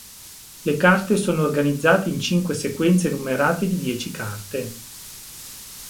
Le carte sono organizzate in cinque sequenze numerate di dieci carte.